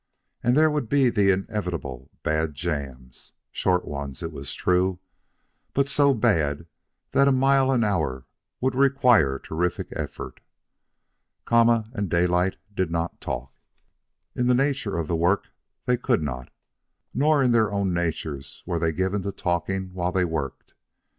And there would be the inevitable bad jams, short ones, it was true, but so bad that a mile an hour would require terrific effort. Kama and Daylight did not talk. In the nature of the work they could not, nor in their own natures were they given to talking while they worked.